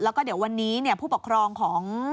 แล้วก็เดี๋ยววันนี้ผู้ปกครองของ